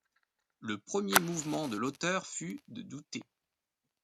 Le premier mouvement de l’auteur fut de douter.